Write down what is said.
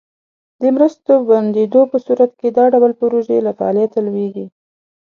د مرستو بندیدو په صورت کې دا ډول پروژې له فعالیته لویږي.